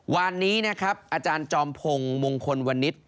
วันนี้นะครับอาจารย์จอมพงศ์มงคลวันนิษฐ์